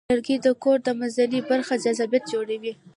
لرګی د کور د منځنۍ برخې جذابیت جوړوي.